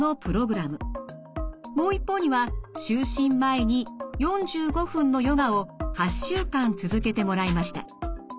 もう一方には就寝前に４５分のヨガを８週間続けてもらいました。